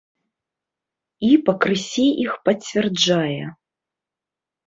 І пакрысе іх пацвярджае.